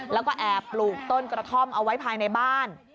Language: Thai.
แล้วก็แอบปลูกต้นกระท่อมเอาไว้ภายในบ้าน